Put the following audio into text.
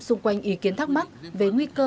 xung quanh ý kiến thắc mắc về nguy cơ